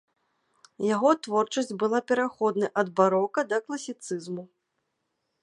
Яго творчасць была пераходнай ад барока да класіцызму.